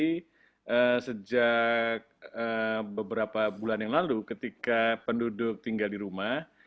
jadi sejak beberapa bulan yang lalu ketika penduduk tinggal di rumah